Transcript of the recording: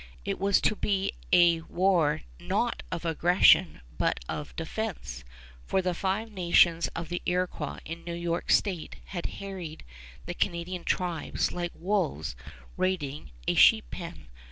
It was to be a war not of aggression but of defense; for the Five Nations of the Iroquois in New York state had harried the Canadian tribes like wolves raiding a sheep pen.